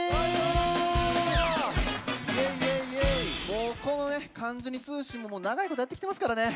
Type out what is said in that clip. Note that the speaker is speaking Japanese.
もうこのね「関ジュニ通信」ももう長いことやってきてますからね。